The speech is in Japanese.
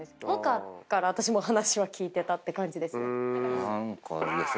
萌歌から私も話は聞いてたって感じですね。